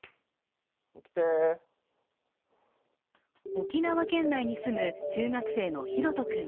沖縄県内に住む中学生のひろと君。